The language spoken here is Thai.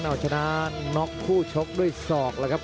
เอาชนะน็อกคู่ชกด้วยศอกแล้วครับ